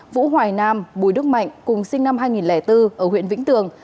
vũ hoài nam bùi đức mạnh cùng sinh năm hai nghìn bốn ở huyện vĩnh tường